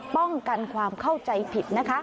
ป้องกันความเข้าใจผิดนะคะ